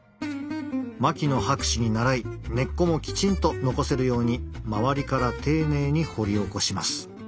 牧野博士に倣い根っこもきちんと残せるように周りから丁寧に掘り起こします。